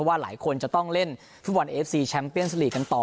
หลายคนจะต้องเล่นฟุตบอลเอฟซีแชมเปียนสลีกกันต่อ